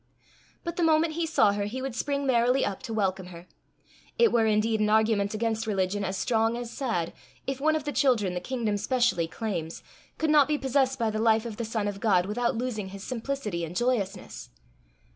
But the moment he saw her, he would spring merrily up to welcome her. It were indeed an argument against religion as strong as sad, if one of the children the kingdom specially claims, could not be possessed by the life of the Son of God without losing his simplicity and joyousness.